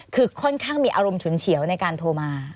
คือค่อนข้างมีอารมณ์ฉุนเฉียวในการโทรมา